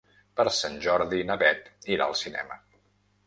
Per Sant Jordi na Bet irà al cinema.